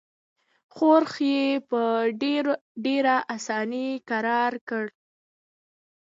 ښورښ یې په ډېره اساني کرار کړ.